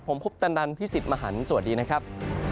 ผมคุปตะนันพี่สิทธิ์มหันฯสวัสดีนะครับ